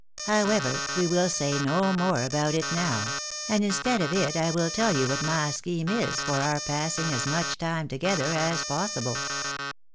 However, we will say no more about it now ; and instead of it I will tell you what my scheme is for our passing as much time together as possible.